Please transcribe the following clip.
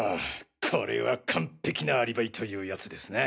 これは完璧なアリバイというやつですな。